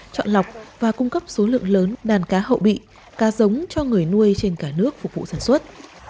chọn lọc và cung cấp số lượng lớn đàn cá hậu bị cá giống cho người nuôi trên cả nước phục vụ sản xuất